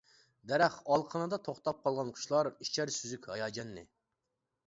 دەرەخ ئالىقىنىدا توختاپ قالغان قۇشلار ئىچەر سۈزۈك ھاياجاننى.